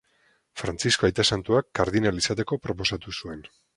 Frantzisko aita santuak kardinal izateko proposatu zuen.